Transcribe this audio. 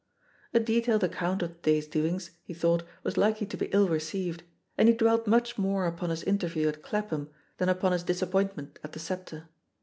A detailed account of the day's doings, he thought, was likely to he ill received, and he dwelt much more upon his inter view at Clapham than upon his disappointment at the Sceptre.